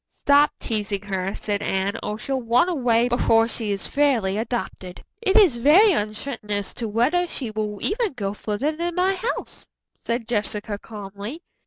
"Stop teasing her," said Anne, "or she'll run away before she is fairly adopted." "It is very uncertain as to whether she will ever go further than my house," said Jessica calmly.